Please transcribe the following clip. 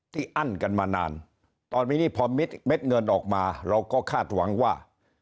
อั้นกันมานานตอนนี้นี่พอเม็ดเงินออกมาเราก็คาดหวังว่า